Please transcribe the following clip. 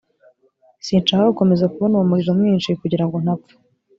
sinshaka gukomeza kubona uwo muriro mwinshi, kugira ngo ntapfa!»